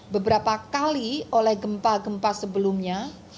beberapa kali oleh gempa gempa sebelumnya